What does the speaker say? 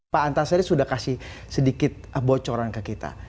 pak antasari sudah kasih sedikit bocoran ke kita